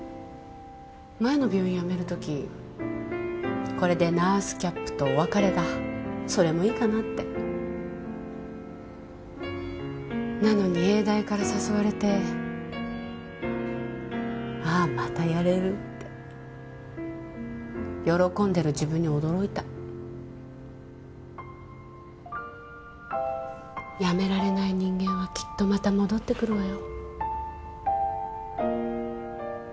前の病院辞めるときこれでナースキャップとお別れだそれもいいかなってなのに永大から誘われてああまたやれるって喜んでる自分に驚いた辞められない人間はきっとまた戻ってくるわよ